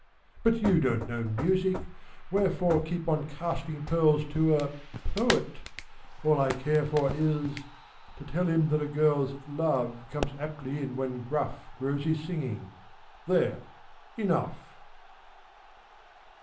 But you don't know music ! Wherefore Keep on casting pearls To a — poet ? All I care for Is — to tell him that a girl's " Love " comes aptly in when gruff Grows his singing. (There, enough